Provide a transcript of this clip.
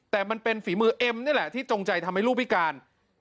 แต่มันเป็นฝีมือเอ็มนี่แหละที่จงใจทำให้ลูกพิการ